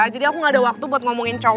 jadi aku gak ada waktu buat ngomongin cerita